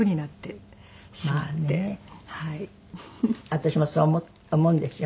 私もそう思うんですよ。